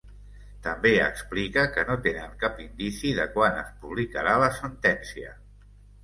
També explica que no tenen cap indici de quan es publicarà la sentència.